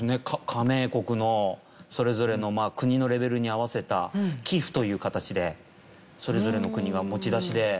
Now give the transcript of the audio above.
加盟国のそれぞれの国のレベルに合わせた寄付という形でそれぞれの国が持ち出しで。